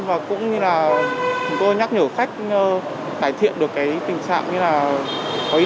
và cũng như là chúng tôi nhắc nhở khách cải thiện được tình trạng như là có ý thức hơn về bảo quản xe của mình